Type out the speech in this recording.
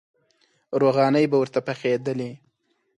روغانۍ به ورته پخېدلې.